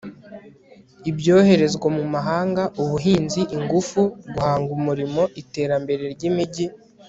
ibyoherezwa mu mahanga ubuhinzi ingufu guhanga umurimo iterambere ry imijyi